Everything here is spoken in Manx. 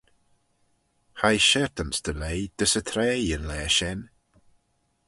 Hie shiartanse dy leih dys y traie y laa shen.